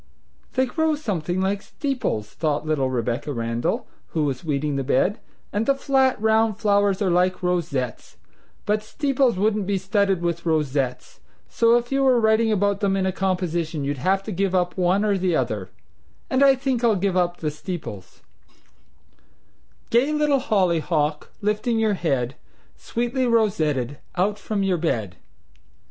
"They grow something like steeples," thought little Rebecca Randall, who was weeding the bed, "and the flat, round flowers are like rosettes; but steeples wouldn't be studded with rosettes, so if you were writing about them in a composition you'd have to give up one or the other, and I think I'll give up the steeples: Gay little hollyhock Lifting your head, Sweetly rosetted Out from your bed.